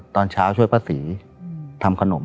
ตอนเช้าช่วยป้าศรีทำขนม